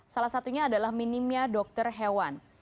salah satunya adalah minimnya dokter hewan